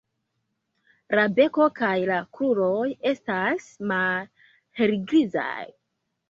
La beko kaj la kruroj estas malhelgrizaj.